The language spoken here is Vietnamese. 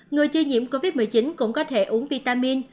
người chưa nhiễm covid một mươi chín cũng có thể uống vitamin